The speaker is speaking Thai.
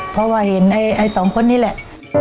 เพราะว่าเห็นไอ้สองคนนี้แหละ